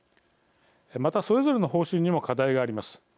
また、それぞれの方針にも課題があります。